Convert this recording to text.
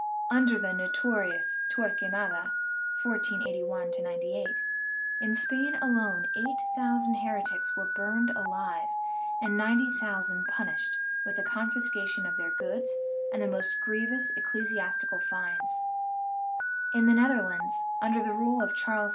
Under the notorious Torquemada (1481 98), in Spain alone eight thousand heretics were burned alive and ninety thousand pun ished with the confiscation of their goods and the most grievous ecclesiastical fines ; in the Netherlands, under the rule of Charles V.